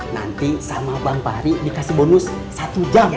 nanti sama bang fahri dikasih bonus satu jam ya